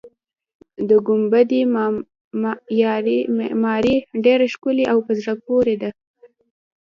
د ګنبدې معمارۍ ډېره ښکلې او په زړه پورې ده.